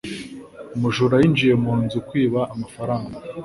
Umujura yinjiye mu nzu kwiba amafaranga.